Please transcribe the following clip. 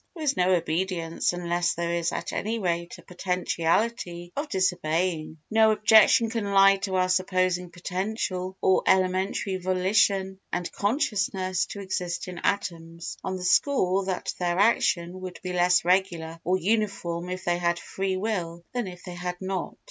There is no obedience unless there is at any rate a potentiality of disobeying. No objection can lie to our supposing potential or elementary volition and consciousness to exist in atoms, on the score that their action would be less regular or uniform if they had free will than if they had not.